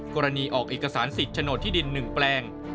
กรณีออกเอกสารสิทธิ์โฉนดที่ดิน๑แปลง